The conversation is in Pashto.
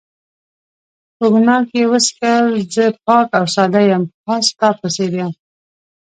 کوګناک یې وڅښل، زه پاک او ساده یم، خاص ستا په څېر یم.